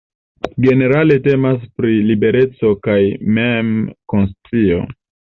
Generale temas pri libereco kaj mem-konscio.